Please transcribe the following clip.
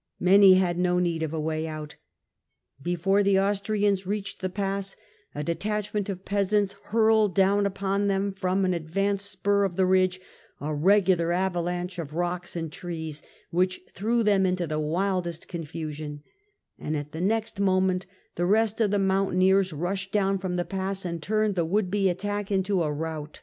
Many had no need of a way out. Before the Austrians reached the pass, a detachment of peasants hurled down upon them from an advanced spur of the ridge a regular avalanche of rocks and trees, which threw them into the wildest confusion ; and at the next moment the rest of the mountaineers rushed down from the pass and turned the would be attack into a rout.